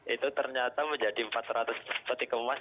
itu ternyata menjadi empat ratus peti kemas